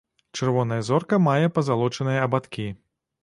Чырвоная зорка мае пазалочаныя абадкі.